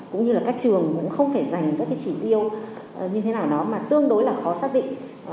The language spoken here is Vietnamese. cũng như là các trường cũng không phải dành các cái chỉ tiêu như thế nào đó mà tương đối là khó xác định